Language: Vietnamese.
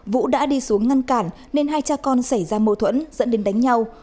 vũ đã đi xuống ngăn cản nên hai cha con xảy ra mâu thuẫn dẫn đến đánh nhau